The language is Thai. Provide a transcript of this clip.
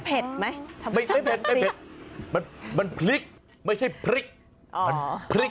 ไหมทำไมไม่เผ็ดไม่เผ็ดมันพริกไม่ใช่พริกมันพริก